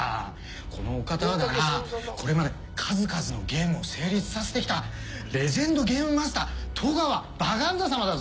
このお方はだなこれまで数々のゲームを成立させてきたレジェンドゲームマスター兎川バガンザ様だぞ。